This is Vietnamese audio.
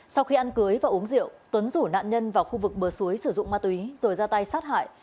sau khi ăn cưới và uống rượu tuấn rủ nạn nhân vào khu vực bờ suối sử dụng ma túy rồi ra tay sát hại